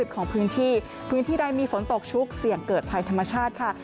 ของพื้นที่พื้นที่ใดมีฝนตกชุกเสี่ยงเกิดภัยธรรมชาติค่ะ